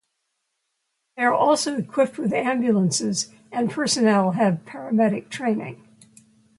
They are also equipped with ambulances and personnel have paramedic training.